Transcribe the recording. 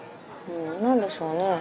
何でしょうね？